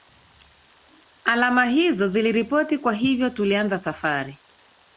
alama hizo ziliripoti kwa hivyo tulianza safari